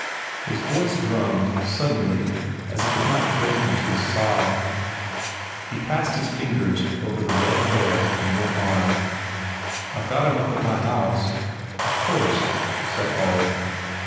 His voice drummed suddenly as if it might break into a sob. He passed his fingers over the red hair and went on, "I ve got him up at my house." "Of course," said Olive.